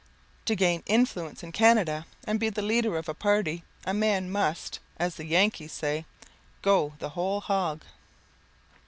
To gain influence in Canada, and be the leader of a party, a man must, as the Yankees say, "go the whole hog."